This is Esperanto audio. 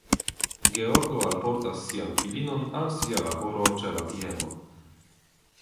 Georgo alportas sian filinon al sia laboro ĉe la bieno.